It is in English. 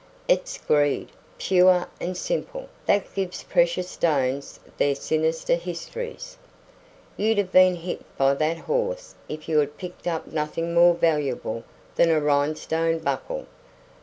It's greed, pure and simple, that gives precious stones their sinister histories. You'd have been hit by that horse if you had picked up nothing more valuable than a rhinestone buckle.